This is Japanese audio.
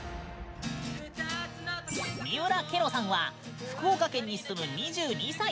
みうらけろさんは福岡県に住む２２歳。